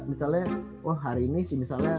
misalnya wah hari ini sih misalnya